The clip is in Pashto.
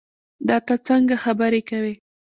دا تۀ څنګه خبرې کوې